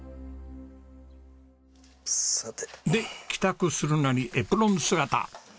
で帰宅するなりエプロン姿。